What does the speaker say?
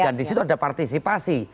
dan disitu ada partisipasi